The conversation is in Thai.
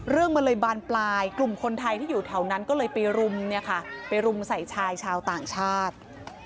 เรื่องมันเลยบานปลายกลุ่มคนไทยที่อยู่แถวนั้นก็เลยไปรุมเนี่ยค่ะไปรุมใส่ชายชาวต่างชาติ